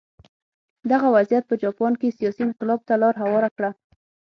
دغه وضعیت په جاپان کې سیاسي انقلاب ته لار هواره کړه.